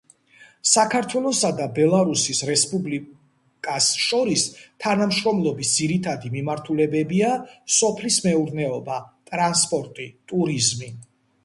საქართველოსა და ბელარუსის რესპუბლიკას შორის თანამშრომლობის ძირითადი მიმართულებებია სოფლის მეურნეობა, ტრანსპორტი, ტურიზმი.